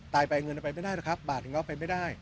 ตายไปเงินออกไปไม่ได้นะครับบาทอีกออกไปไม่ได้